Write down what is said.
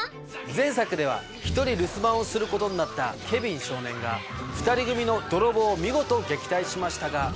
前作では１人留守番をすることになったケビン少年が２人組の泥棒を見事撃退しましたが。